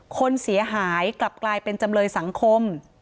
คนเสียหายกลับกลายเป็นจำเลยสังคม